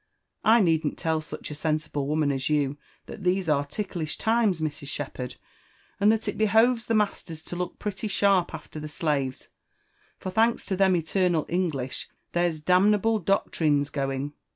I needn't tell such a sensible woman as you, that these are ticklish ' times, Mrs. Shepherd, and that it behoves the masters to look pretty sharp after the slaves; for, thanks to them eternal English, there's . damnable doctrines going."